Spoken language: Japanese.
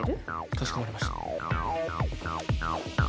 かしこまりました。